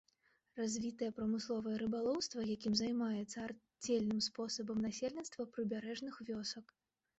Развітае прамысловае рыбалоўства, якім займаецца арцельным спосабам насельніцтва прыбярэжных вёсак.